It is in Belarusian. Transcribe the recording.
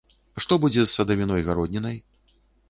Што будзе з садавіной-гароднінай?